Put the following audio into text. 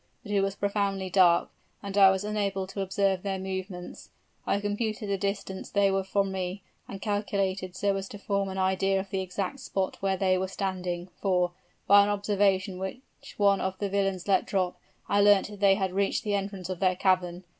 But it was profoundly dark, and I was unable to observe their movements. I computed the distance they were from me, and calculated so as to form an idea of the exact spot where they were standing; for, by an observation which one of the villains let drop, I learnt that they had reached the entrance of their cavern.